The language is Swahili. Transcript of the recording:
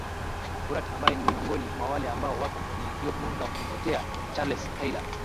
burat ambaye ni miongoni mwa wale ambao wapo kwenye jopo la kumtetea charles taylor